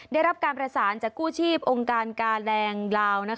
ได้รับการประสานจากกู้ชีพองค์การกาแรงลาว